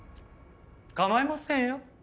構いませんよ。